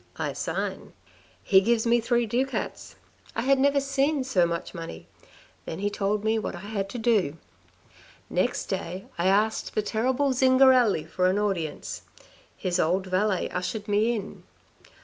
I sign. " He gives me three ducats. I had never seen so much money. Then he told me what I had to do. " Next day I asked the terrible Zingarelli for an audience. His old valet ushered me in.